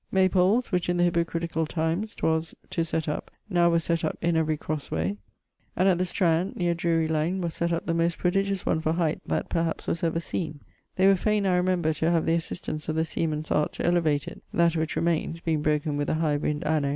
Maypoles, which in the hypocriticall times, 'twas ... to sett up, now were sett up in every crosse way: and at the Strand, neer Drury lane, was sett up the most prodigious one for height, that (perhaps) was ever seen; they were faine (I remember) to have the assistance of the sea men's art to elevate it; that which remaines (being broken with a high wind anno